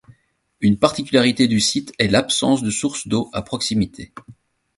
Une particularité du site est l'absence de source d'eau à proximité.